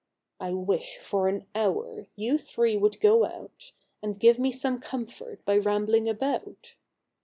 I wish, for an hour, you three would go out, And give me some comfort by rambling about."